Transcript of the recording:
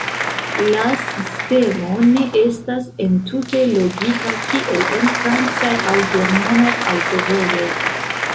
La sistemo ne estas entute logika kiel en francaj aŭ germanaj aŭtovojoj.